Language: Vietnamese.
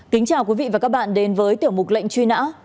kính chào quý vị và các bạn đến với tiểu mục lệnh truy nã